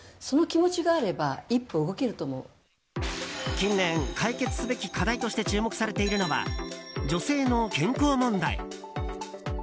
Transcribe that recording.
近年、解決すべき課題として注目されているのは女性の健康問題。